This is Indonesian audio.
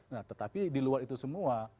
nah tetapi di luar itu semua